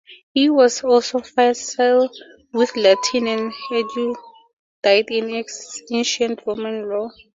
He was also facile with Latin and erudite in Ancient Roman law.